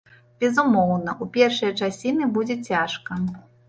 Безумоўна, у першыя часіны будзе цяжка.